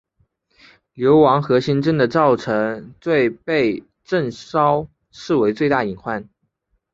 流亡河仙镇的昭最被郑昭视为最大隐患。